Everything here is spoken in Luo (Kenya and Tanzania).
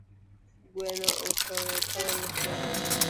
Gweno otoyo tong’ tee